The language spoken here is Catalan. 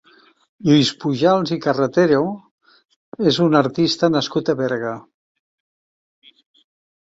Lluís Pujals i Carretero és un artista nascut a Berga.